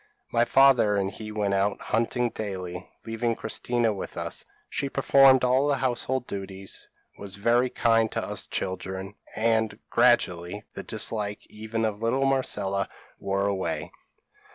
My father and he went out hunting daily, leaving Christina with us. She performed all the household duties; was very kind to us children; and, gradually, the dislike even of little Marcella wore away.